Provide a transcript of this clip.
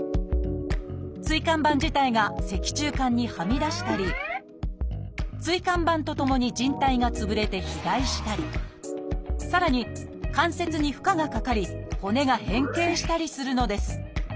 椎間板自体が脊柱管にはみ出したり椎間板とともにじん帯が潰れて肥大したりさらに関節に負荷がかかり骨が変形したりするのです。